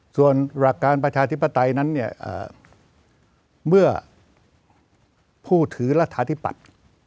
ส่วนหลักการประชาธิปไตยนั้นเนี่ยเมื่อผู้ถือรัฐาธิปัตย์